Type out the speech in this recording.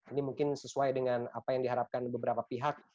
ini mungkin sesuai dengan apa yang diharapkan beberapa pihak